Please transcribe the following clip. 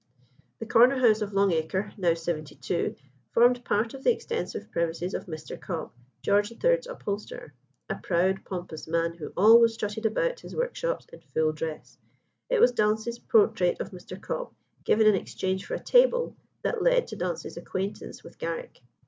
The corner house of Long Acre, now 72, formed part of the extensive premises of Mr. Cobb, George III.'s upholsterer a proud, pompous man, who always strutted about his workshops in full dress. It was Dance's portrait of Mr. Cobb, given in exchange for a table, that led to Dance's acquaintance with Garrick.